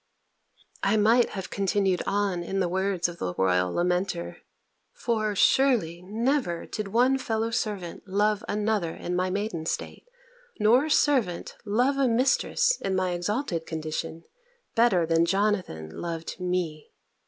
_" I might have continued on in the words of the royal lamenter; for, surely, never did one fellow servant love another in my maiden state, nor servant love a mistress in my exalted condition, better than Jonathan loved me!